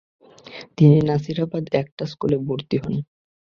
তিনি নাসিরাবাদ এক্টাস স্কুলে ভর্তি হন।